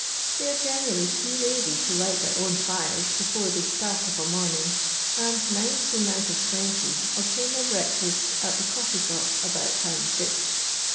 They are generally too lasy to light their own fires before they start of a morning, and nineteen out of twenty obtain their breakfasts at the coffee shops about Houndsditch.